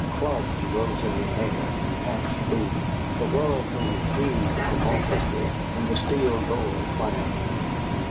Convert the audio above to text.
Clubs rose in the air, hats flew, the whirlpool heaved tumultuously, and the steel door clanged.